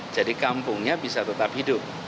jadi kampungnya bisa tetap hidup